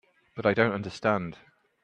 But I don't understand.